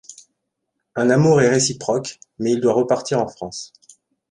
Un amour est réciproque mais il doit repartir en France.